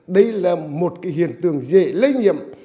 đây là một hiện tượng dễ lây nhiệm